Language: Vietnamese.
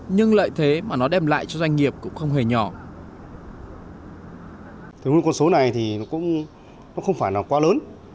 nhưng lợi thế mà nó đem lại cho doanh nghiệp cũng không hề nhỏ